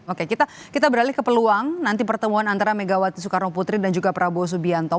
oke kita beralih ke peluang nanti pertemuan antara megawati soekarno putri dan juga prabowo subianto